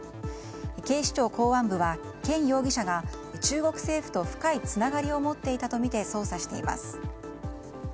警視庁公安部は、ケン容疑者が中国政府と深いつながりを持っていたとみて捜査しています。